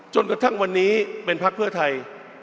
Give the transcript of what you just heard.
จนกระทั่งวันนี้เป็นพักเพื่อไทย